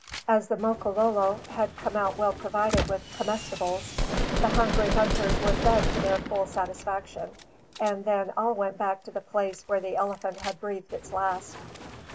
As the Makololo had come out well provided with comestibles, the hungry hunters were fed to their full satisfaction and then all went back to the place where the elephant had breathed its last.